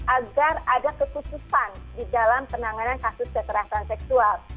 agar ada kekutupan di dalam penanganan kasus kekerasan seksual